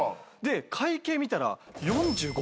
会計見たら。